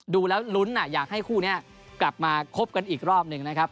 ดูแล้วลุ้นอยากให้คู่นี้กลับมาคบกันอีกรอบหนึ่งนะครับ